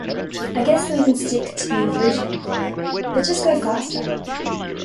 I guess we can stick to the original plan but just go faster